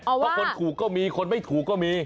เพราะคนถูกก็มีคนไม่ถูกก็มี